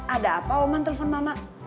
ada apa oman telpon mama